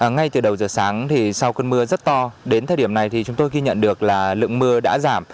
ngay từ đầu giờ sáng sau cơn mưa rất to đến thời điểm này thì chúng tôi ghi nhận được là lượng mưa đã giảm